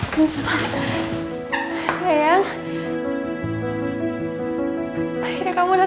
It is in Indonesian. aku gak bisa masak di kursi modern